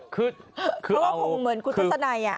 เพราะว่าคงเหมือนกุศตนัย